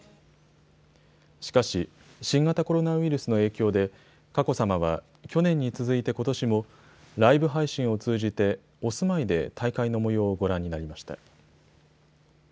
しかし、新型コロナウイルスの影響で佳子さまは去年に続いてことしもライブ配信を通じてお住まいで大会のもようをご覧になりました。